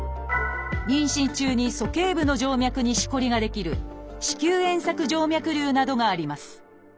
妊娠中に鼠径部の静脈にしこりが出来る「子宮円索静脈瘤」などがあります